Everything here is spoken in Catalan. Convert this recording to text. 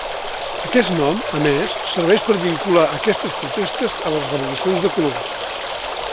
Aquest nom, a més, serveix per vincular aquestes protestes a les revolucions de colors.